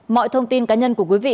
mọi thông tin cá nhân của quý vị